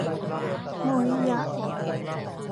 ฮ้อยยะ